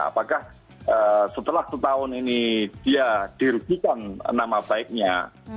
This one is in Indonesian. apakah setelah setahun ini dia dirugikan nama baiknya